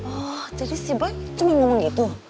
oh jadi si boy cuma ngomong gitu